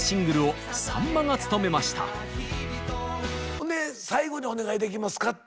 ほんで「最後にお願いできますか？」。